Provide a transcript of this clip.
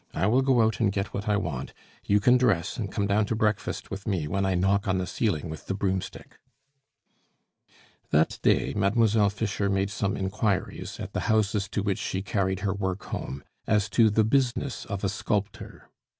I will go out and get what I want; you can dress, and come down to breakfast with me when I knock on the ceiling with the broomstick." That day, Mademoiselle Fischer made some inquiries, at the houses to which she carried her work home, as to the business of a sculptor.